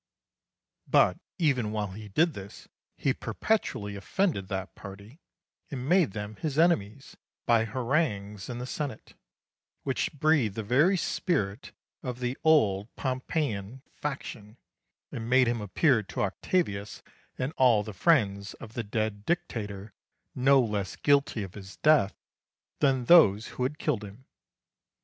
But even while he did this he perpetually offended that party and made them his enemies by harangues in the Senate, which breathed the very spirit of the old Pompeian faction, and made him appear to Octavius and all the friends of the dead Dictator no less guilty of his death than those who had killed him.